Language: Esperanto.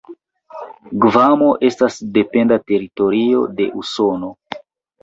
Gvamo estas dependa teritorio de Usono.